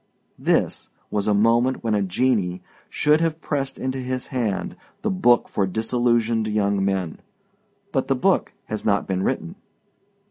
This was a moment when a genii should have pressed into his hand the book for disillusioned young men. But the book has not been written.